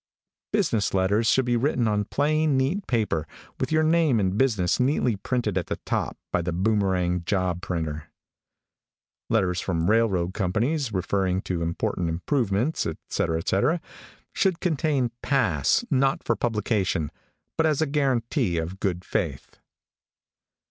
Business letters should be written on plain, neat paper, with your name and business neatly printed at the top by the Boomekang job printer. Letters from railroad companies referring to important improvements, etc., etc., should contain pass, not for publication, but as a guarantee of good faith.